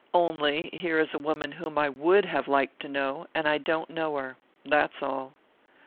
"Only here is a woman whom I would have liked to know, and I don't know her. That's all."